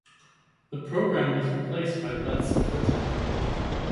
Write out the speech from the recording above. The programme was replaced by "Let's Pretend".